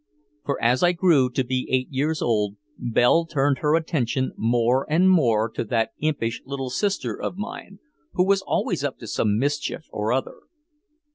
For as I grew to be eight years old, Belle turned her attention more and more to that impish little sister of mine who was always up to some mischief or other.